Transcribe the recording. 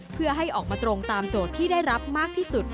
เพื่อให้ออกมาตรงตามโจทย์ที่ได้รับมากที่สุด